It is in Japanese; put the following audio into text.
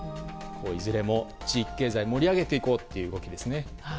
いずれも、地域経済を盛り上げていこうという動きです。